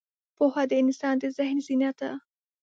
پوهه د انسان د ذهن زینت ده.